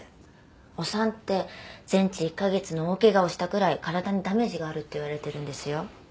お産って全治１カ月の大怪我をしたくらい体にダメージがあるっていわれてるんですよ。